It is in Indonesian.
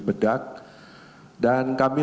bedak dan kami